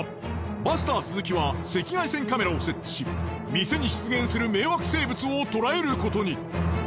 バスター鈴木は赤外線カメラを設置し店に出現する迷惑生物を捉えることに。